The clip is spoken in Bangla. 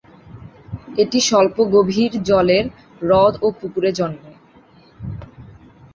এটি স্বল্প গভীর জলের হ্রদ ও পুকুরে জন্মে।